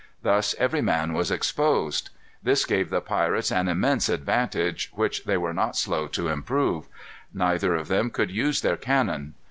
Thus every man was exposed. This gave the pirates an immense advantage, which they were not slow to improve. Neither of them could use their cannon.